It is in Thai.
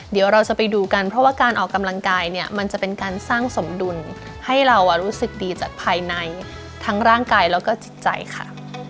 เดี๋ยวเราจะไปดูกันเพราะว่าการออกกำลังกายเนี่ยมันจะเป็นการสร้างสมดุลให้เรารู้สึกดีจากภายในทั้งร่างกายแล้วก็จิตใจค่ะ